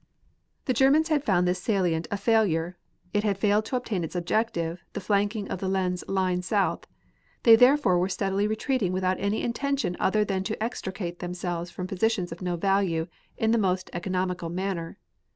The Germans had found this salient a failure. It had failed to attain its objective, the flanking of the Lens line south. They therefore were steadily retreating without any intention other than to extricate themselves from positions of no value, in the most economical manner.